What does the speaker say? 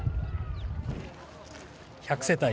１００世帯